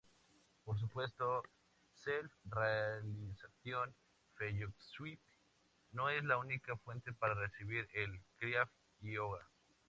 Por supuesto, Self-Realization Fellowship no es la única fuente para recibir el "kriia-ioga".